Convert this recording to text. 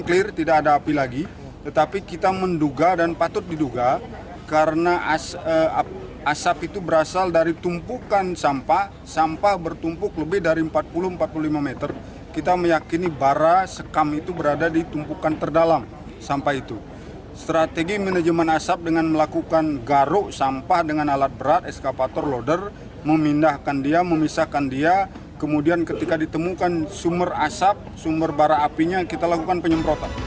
kepala pelaksana bpbd bali menyebut areal yang terbakar hingga senin mencapai dua belas hektare